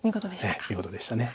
見事でしたか。